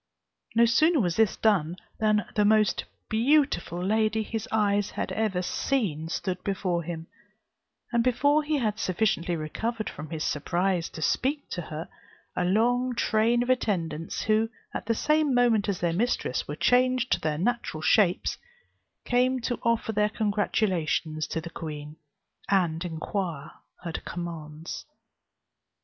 No sooner was this done, than the most beautiful lady his eyes had ever seen stood before him: and before he had sufficiently recovered from his surprise to speak to her, a long train of attendants, who, at the same moment as their mistress, were changed to their natural shapes, came to offer their congratulations to the queen, and inquire her commands.